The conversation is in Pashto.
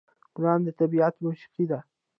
ګلان د طبیعت موسيقي ده.